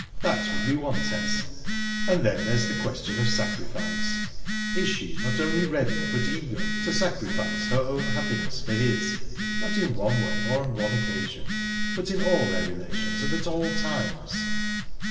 That would be one test...And then there's the question of sacrifice. Is she, not only ready, but eager, to sacrifice her own happiness for his, not in one way or on one occasion, but in all their relations and at all times?..."